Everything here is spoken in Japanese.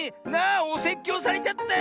おせっきょうされちゃったよ